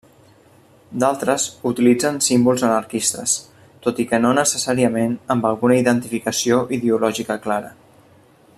D'altres utilitzen símbols anarquistes, tot i que no necessàriament amb alguna identificació ideològica clara.